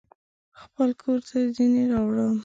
خپل کورته ځینې راوړم